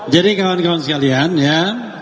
jadi kawan kawan sekalian ya